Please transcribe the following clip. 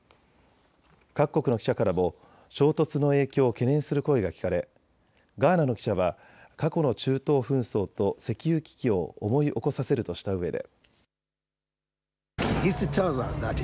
各国の記者からも衝突の影響を懸念する声が聞かれガーナの記者は過去の中東紛争と石油危機を思い起こさせるとしたうえで。